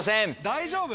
大丈夫？